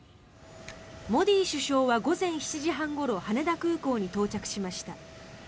モディ首相は午前７時半ごろ羽田空港に到着しました。